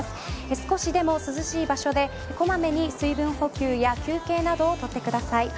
少しでも涼しい場所でこまめに水分補給や休憩などを取ってください。